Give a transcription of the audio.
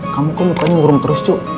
kamu kok mukanya ngurung terus cu